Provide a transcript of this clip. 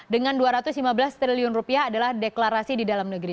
dengan dua ratus lima belas triliun rupiah adalah deklarasi di dalam negeri